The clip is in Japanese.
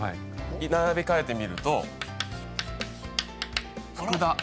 並び替えてみると。